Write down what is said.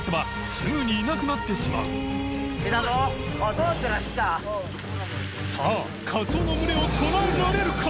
擦すぐにいなくなってしまう磴気カツオの群れを捉えられるか？